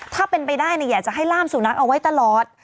ถ้าเป็นไปได้อยากจะให้ล่ามสุนัขเอาไว้ตลอด